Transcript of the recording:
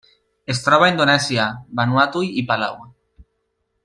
Es troba a Indonèsia, Vanuatu i Palau.